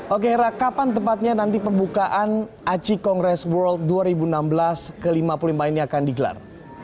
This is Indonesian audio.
oke hera kapan tepatnya nanti pembukaan aci kongress world dua ribu enam belas ke lima puluh lima ini akan digelar